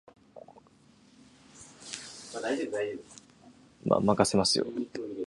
東京都足立区